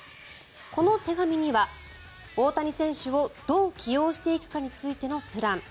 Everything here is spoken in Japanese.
この手紙には大谷選手をどう起用していくかについてのプラン